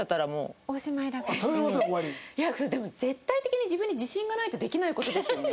いやそれでも絶対的に自分に自信がないとできない事ですよね？